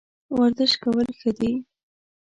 ورزش کول ښه دي